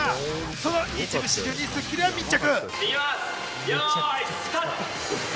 その一部始終に『スッキリ』は密着。